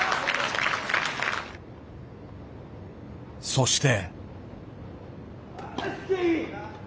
そして。